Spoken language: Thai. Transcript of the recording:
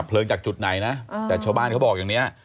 จากจุดไหนนะแต่ชาวบ้านเขาบอกอย่างนี้